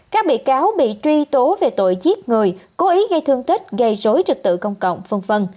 các bị cáo bị truy tố về tội giết người cố ý gây thương tích gây rối trực tự công cộng v v